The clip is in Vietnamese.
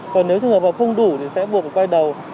còn nếu trường hợp không đủ thì sẽ buộc quay đầu